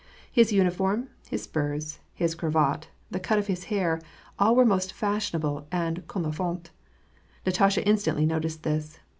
His uniform, his spurs, his cravat, the cut of his hair, all were most fashionable and comme ilfaiU, Natasha instantly noticed this.